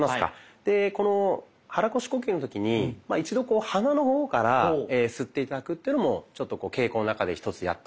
でこの肚腰呼吸の時に一度鼻の方から吸って頂くというのも稽古の中で一つやって頂きたいんですね。